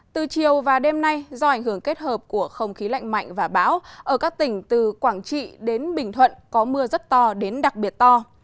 từ chiều và đêm nay do ảnh hưởng kết hợp của không khí lạnh mạnh và bão ở các tỉnh từ quảng trị đến bình thuận có mưa rất to đến đặc biệt to